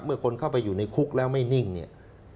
คนเข้าไปอยู่ในคุกแล้วไม่นิ่งเนี่ย